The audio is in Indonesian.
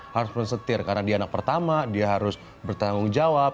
harus bersetir karena dia anak pertama dia harus bertanggung jawab